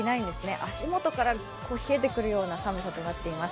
足元から冷えてくるような寒さとなっています。